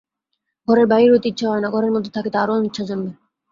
ঘরের বাহির হইতে ইচ্ছা হয় না, ঘরের মধ্যে থাকিতে আরো অনিচ্ছা জন্মে।